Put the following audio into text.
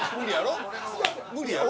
無理やろ？